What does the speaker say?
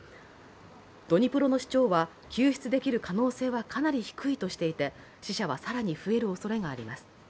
ドニプロの市長は救出できる可能性はかなり低いとしていて死者は更に増えるおそれがあります。